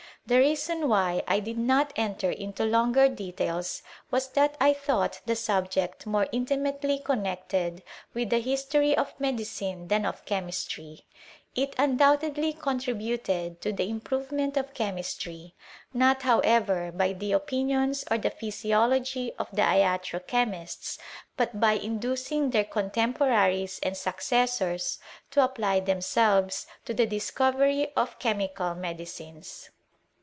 The reason why I did e enter into longer details was, that I thought the subje more intimately con nect«i witli the liistory of metliciin." thau of chemistry : it undoubtedly contributed to tlie improvemenl of chemistry; not, however, by the opinionsor the physiology of the iatro chemists, but by inducing their contemporaries and successors lo apply themselves to the discovery of chemical medicines.